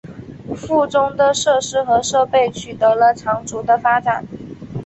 附中的设施和设备取得了长足的发展。